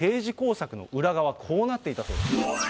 政治工作の裏側、こうなっていたそうです。